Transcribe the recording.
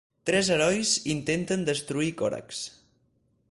Tres herois intenten destruir Korax.